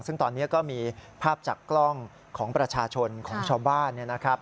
ซึ่งตอนนี้ก็มีภาพจากกล้องของประชาชนของชาวบ้านเนี่ยนะครับ